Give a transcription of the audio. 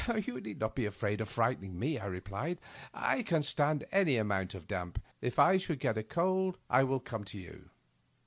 " Ton need not be afraid of frightening me," I re plied. " I can stand any amonnt of damp. If I should get a bad cold I will come to you."